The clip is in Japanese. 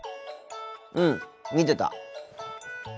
うん見てた。